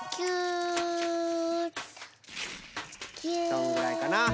そんぐらいかな。